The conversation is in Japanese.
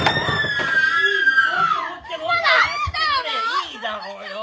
いいだろう？